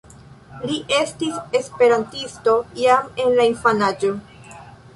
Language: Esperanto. Li estis esperantisto jam en la infanaĝo.